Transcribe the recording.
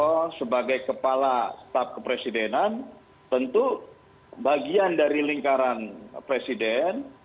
beliau sebagai kepala staf kepresidenan tentu bagian dari lingkaran presiden